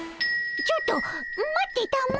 ちょっと待ってたも。